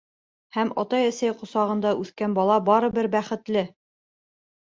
Һәм атай-әсәй ҡосағында үҫкән бала барыбер бәхетле.